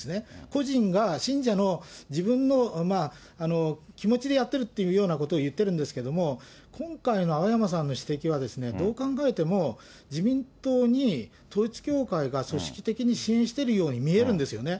個人が、信者の自分のまあ、気持ちでやってるっていうようなことを言ってるんですけども、今回の青山さんの指摘は、どう考えても、自民党に統一教会が組織的に支援してるように見えるんですよね。